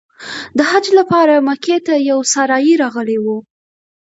د حج لپاره مکې ته یو سارایي راغلی و.